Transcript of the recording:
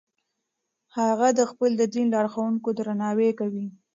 هغه د خپل دین لارښوونکو درناوی کوي.